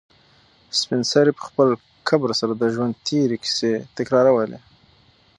سپین سرې په خپل کبر سره د ژوند تېرې کیسې تکرارولې.